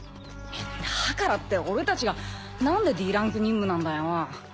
だからって俺たちがなんでＤランク任務なんだよ。